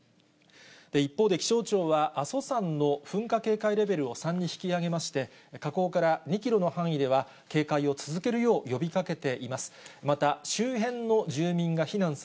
一方で気象庁は、阿蘇山の噴火警戒レベルを３に引き上げまして、火口から２キロの範囲では警戒を続けるよう呼びかけています。